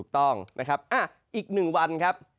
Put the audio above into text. เท่ากันพอดี๑๒ชั่วโมง